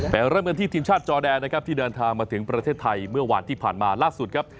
เริ่มกันที่ทีมชาติจอแดนนะครับที่เดินทางมาถึงประเทศไทยเมื่อวานที่ผ่านมาล่าสุดครับ